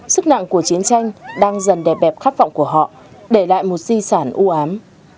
sức nặng của chiến tranh đang dần đè bẹp khát vọng của họ để lại một di sản ưu ám